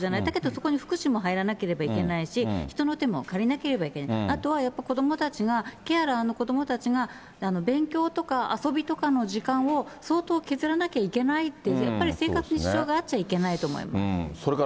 だけど、そこに福祉も入らなければいけないし、人の手も借りなければいけない、あとはやっぱり子どもたちが、ケアラーの子どもたちが、勉強とか遊びとかの時間を、相当削らなきゃいけないという、やっぱり生活に支障があっちゃいけないと思います。